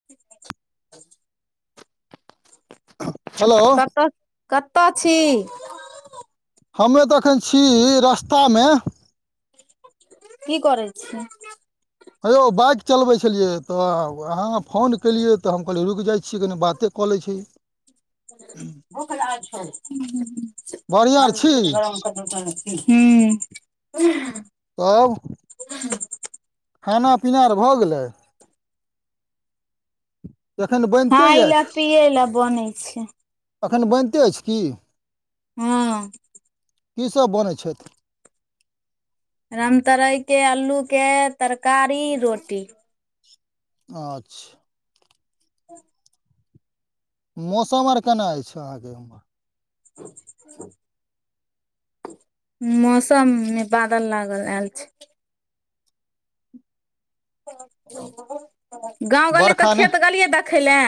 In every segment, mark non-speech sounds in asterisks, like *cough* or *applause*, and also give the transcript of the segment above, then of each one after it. *unintelligible* Hello प्पा कतऽ छी? *unintelligible* हमे तऽ एखन छी रस्तामे। की करे छी? हे यौ बाइक चलबे छलिये तऽ अहाँ-अहाँ फोन केलिये ते हम कहलिय रुक जाइ छी कनी बाते कऽ लै छी। भुख लगल छै बढ़िआँ हूँ-हूँ-हूँ आर छी *unintelligible* हू कहब *unintelligible* खाना-पीना आर भऽ गेलै? एखन बनिते खाय लए अछि पियए लए बनै छै। एखन बनिते अइछ की? हँ कीसभ बनै छैथ? रामतरइके अलूके तरकारी रोटी। अच्छा *inaudible* मौसम आर कना अइछ अहाँके एम्हर? मौसम मे बादल लागल आयल छै। *unintelligible* गाँव वाली तऽ खेत गेलियै देखय लए।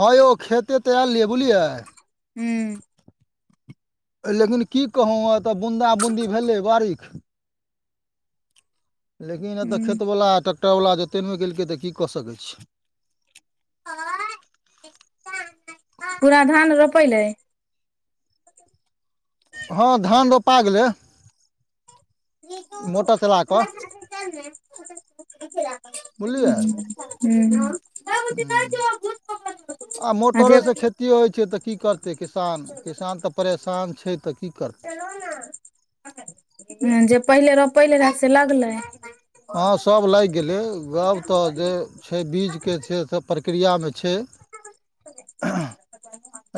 हँयौ खेते तऽ आयलियै बुलियै? हूं- लेकिन की कहौं वैए त बून्दा, बून्दी भेलै बारिख लेकिन एतऽ हूँ खेतबला आ टेक्टरवला जोते नइ केलकै तऽ की क सकै छि *unintelligible* पूरा धान रोपैलै? हँ धान रोपा गेलै। मोटर चला कऽ *unintelligible* *unintelligible* हूं- आ मोटरे से खेत्- ती होइ छै तऽ की करतै किसान? किसान तऽ परेशान छै तऽ की कर- *unintelligible* जे पहिलय रोपैलै र से लगलै? हँ सब लाइग गेलै गब तऽ जे छै बीजके छै सप- प्रक्रिया में छै।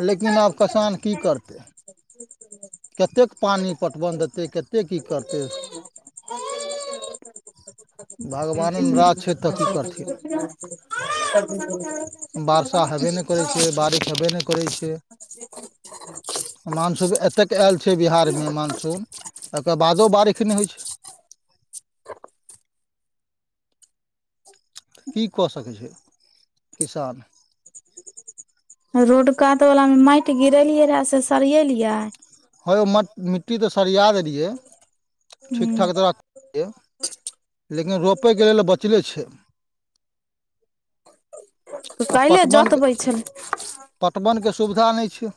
लेकिन आब कसान की करतै? *unintelligible* कतेक पानी पटवन देतै कतेक की करतै, भगवाने नराज छै तऽ की करथिन। *unintelligible* आ- वर्षा हेबे नइ करै छै बारिख हेबै नइ करै छै। *inaudible* मानसून एतेक ऐल छै बिहारमे मानसून तकर बादो बारिख नइ होइ छै। की कऽ सकै छै किसान? *inaudible* रोड कात वला मे मैइट गिरेलियै रहैऽ से सरियेलियै? ह यौ म-मिट्टी तऽ सरिया देलियै ठीक- ठाक हूं तरा- *unintelligible* लेकिन रोपैयके लेल बचले छै। तऽ *inaudible* आ काल्हिए पटमन के जोतबै छलै पटवनके सुविधा नैय छैय।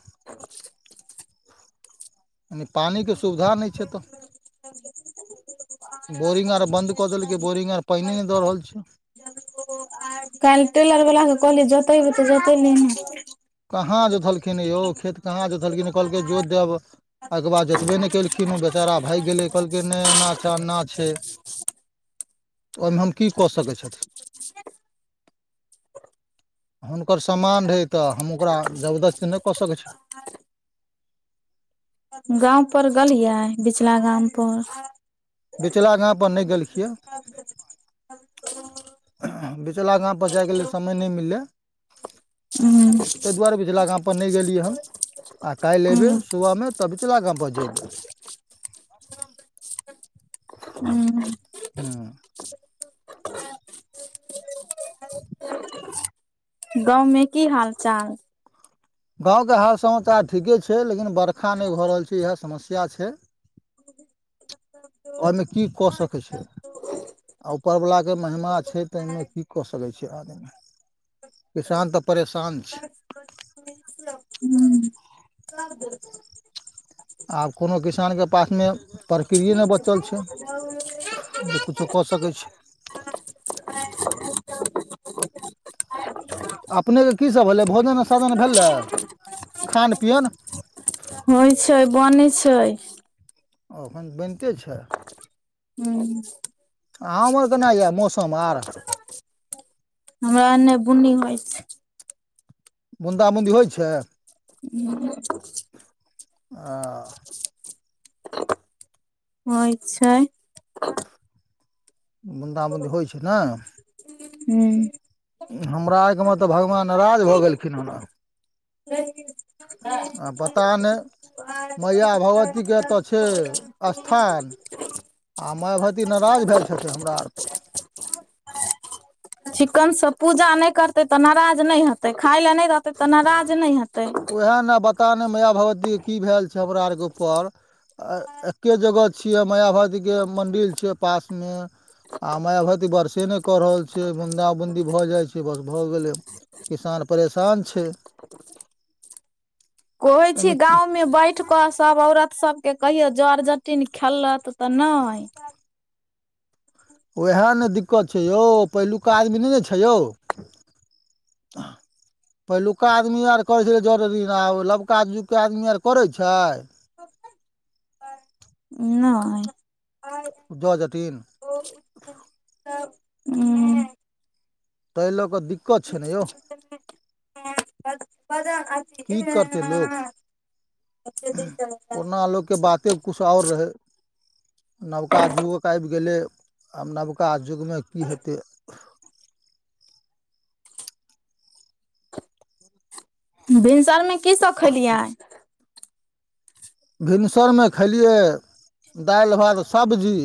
ने पानी के सुविधा नैय छैय एतऽ। *unintelligible* बोरिंग आर बंन्द कऽ देलकै बोरिंग आर पैइने नैय दऽ रहल छैय। *unintelligible* काइल टेलर वला कहलीयै त जोतैइब त जोतेइलियै नैय? कहाँ जोतलखिन यौ खेत कहाँ जोतलखिन कहलकै जोत देब। अयके बाद जोतबे नैय केलखिन ओ बेचारा भैग गेलै कहलकै नैय एना छै, ओना छै। ओय मे हम की कऽ सकैत छथि? हुनकर समान रहै तऽ हम ओकरा जबदस्ती नैय कऽ सकै छी। गाम पर गलियै बिचला गाम पर? बिचला गाम पर नैय गेलखियै। *unintelligible* बिचला गाम पर जाय के लेल समय नैय मिललै, हूं तैय दुआरे बिचला गाम पर नैय गेलियैहन्- आ काइल एबै सुबह मे त बीचला गाम पर जेबै। हूँ। *unintelligible* हूँ गाँव मे की हाल- चाल? गाँव के हाल समाचार ठीके छै, लेकिन बरखा नै भऽ रहल छै, इहाए समस्या छै। *inaudible* ओहिमे की कऽ सकै छै *unintelligible* आ ऊपर वला के महिमा छै तऽ ए मे की कऽ सकै छै आदमी। किसान तऽ परेशान छै। हुं। आब कोनो किसान के पास मे प्रक्रिये नै बचल छै। *unintelligible* ज किछो कऽ सकै छै। अपने के की सब होलै, भोजन साधन भेलै खान पियन। होय छै, बनै छै। ओ एखन बैनते छै। हुं। अहाँ उम्हर कना यऽ मौसम आर। हमरा एने बुन्नी होय छै। बुन्दा-बुन्दी होय छै, आ। होय छै। बुन्दा-बून्दी होय छै नै। हूँ। हमरा आर के मतलब भगवान नराज भऽ गेलखिन हन। आ पता नहि *unintelligible* मैया भगवतीके एतऽ छै स्थान *unintelligible* आ माय भती नराज भेल छथिन हमरा आर पर। चिक्कन सँ पूजा नै करतै तऽ नराज नै हेतै, खाय लए नै रहतै तऽ नराज नै हेतै। उहाए ने बता नै माय भगवती के की भेल छै हमरा आर के ऊपर। आ एके जगह छियै, मया भगबती के मन्दिल छै पास मे। आ मैया भगबती बरसे नै कऽ रहल छै, बूंदा-बूंदी भऽ जाय छै, बस भऽ गेलै। किसान परेशान छै। कहै छी एहिमे गाँव मे बै ठ कऽ सब औरत सबके कहियौ जर-जटिन खेलत तऽ नै। उहाए ने दिक्कत छै यौ, पेहलुका आदमी नै ने छै यौ। आ। पेहलुका आदमी आर करै छलै जर-जटिन, आब लबका जुग के आदमी आर करै छै। नै। उ जर-जटिन। तब ऊं। तै लऽ कऽ दिक्कत छै नै यौ। तखन की करतै लोक, पुरना लोक के बाते कुछ और रहै। नबका जुगक आएब गेलै, आब नबका जुग मे की हेतै। भिनसर मे की सब खेलियै। भिनसर मे खेलियै दाएल, भात, सब्जी।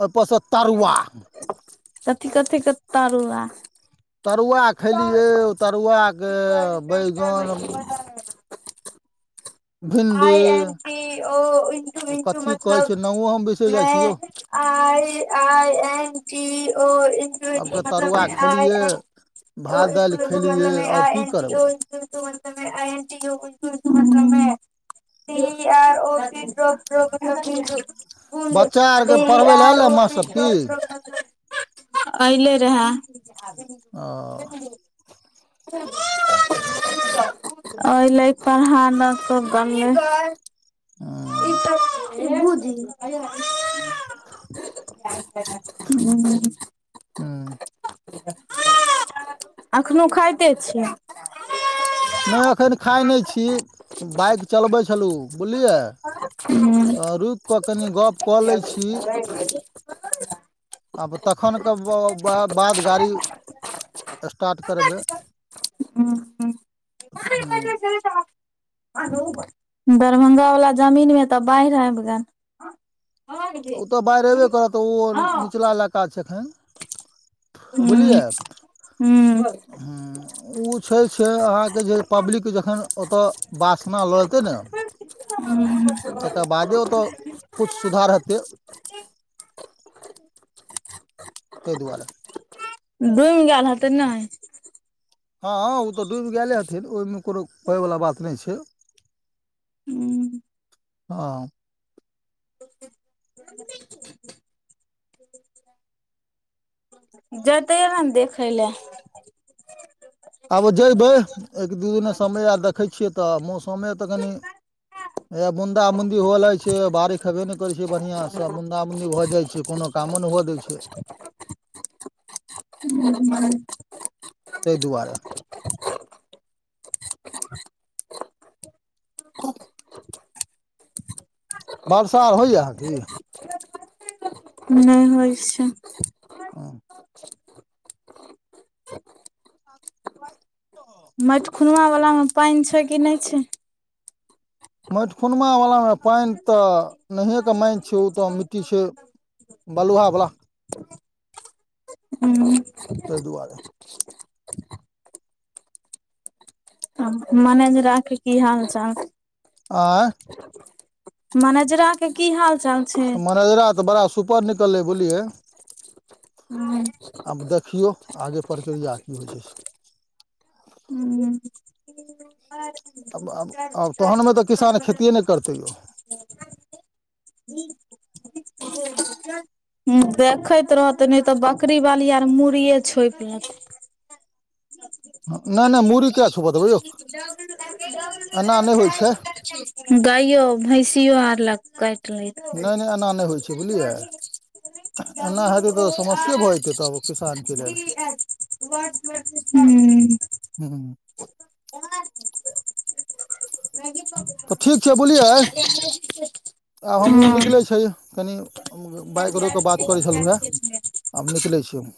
ओय पर सऽ तरुआ। कथी-कथी कऽ तरुआ। तरुआ खेलियै ओ तरुआके बैगन *unintelligible* भिण्डी आइ आइ एन टी ओ इ ओ के कथी कहै छै नामो हम मतलब बिसरि जाइ छी यौ भेल सबके तरुआ आइ खेलिए एन। ओ भात दालि खेलियै मतलब आओर आइ की करबै एन टी ओ। *unintelligible* *unintelligible* बच्चा आरके पढ़बै लए आयल अइ मास्टर की *unintelligible* अयले रहे। ओ अयले पढ़ा न कऽ। *inaudible* की गै आ *unintelligible* *unintelligible* हूँ अखनो खाइते छियै? नै एखन खाइ नै छी बाइक चलबै छलु बुलियै। तऽ रुइक क कनि गप कऽ लै छी आब तखन कऽ ब-ब बाद गाड़ी स्टार्ट करबै ह्म। अरौ बा दरभंगा वला जमीन में तऽ बाइढ़ आइब गैल। ओतऽ बाइढ़ एबे करत ओ निचला इलाका छै एखन। ह बुलियै ह ह्म। उ छै-छै अहाँके जे पब्लिक जखन ओतऽ वासना लऽ लेतै न। तकर बादे ओतऽ कुछ सुधार हेतै। जी तय दुआरे। डूइम गैल हेतै नै? हँ उत डुइब गैले हथिन ओय में कुनु कहैवला बात नैछै। हूं हँ जतैय अन देखै लए। आब जयबै एक दू दिने समय आर देखै छियै तऽ मौसमे तऽ कनि। हया बुंदा बुंदी हो लगै छै बारिख हेबे न करे छै बढ़िया स मुंदा मुंदी भ जाइ छै। कोनो कामो नै हुआ दैछै। तय दुआरे। को वर्षा होइए की? नै होइ छै। हँ मैट खुनआ वलामे पानि छै कि नहि छै? मैट खुनवा वलामे पानि तऽ नहिए के माइन छै ओ तऽ मिट्टी छै। बलूहा बला। हूं। मनेजरा के की हाल-चाल? ऐं मनेजरा के की हाल-चाल छै। मनेजरा तऽ बड़ा सुपर निकलले बुलिये हुं। आब देखियौ आगे प्रक्रिया की होइ छै से। हूं *inaudible* आब-आब-आब तहनमे तऽ किसान खेतिए नै करतै यौ। *inaudible* देखैत रहतै नै तऽ बकरीवाली आर मुड़िये छोएप लते। नै नै मुरी किया छौपै दबै यौ, एना नै होइ छै। गाइयो भैंसियो आर ले काइट लैत। नहि नहि एना नहि होइ छै बुझलियै एना हेतै तऽ समस्ये भऽ जेतै तब किसानके लेल *unintelligible* हूँ। हूं। भाइजी कहा छै। तऽ ठीक छै बुलियए आब हमहूँ हँ निकलै छीये कनि हम बाइक रोक कऽ बात करै छलू हें आब निकलै छीयै हम।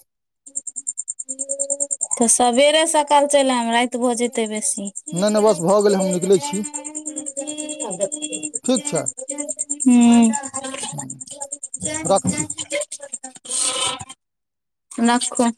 तऽ सबेरे सकाल चैल आईब राएत भऽ जेतै बेसी। नै नै बस भ गेले हम निकलै छी, ठीक छैय। हूं। रख छी। रक्खू।